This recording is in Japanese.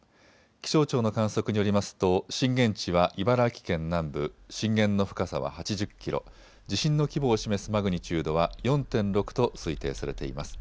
気象庁の観測によりますと震源地は茨城県南部、震源の深さは８０キロ、地震の規模を示すマグニチュードは４．６と推定されています。